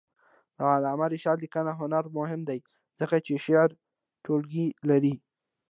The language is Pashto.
د علامه رشاد لیکنی هنر مهم دی ځکه چې شعري ټولګې لري.